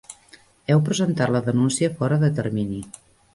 Heu presentat la denúncia fora de termini.